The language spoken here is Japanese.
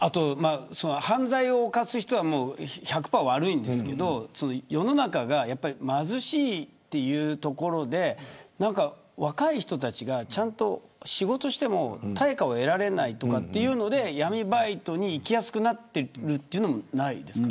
犯罪を犯す人は１００パー悪いですが世の中が貧しいというところで若い人たちがちゃんと仕事をしても対価を得られないとかいうので闇バイトに行きやすくなっているというのはないですか。